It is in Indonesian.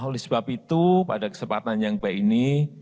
oleh sebab itu pada kesempatan yang baik ini